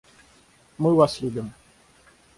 Мы Вас любим.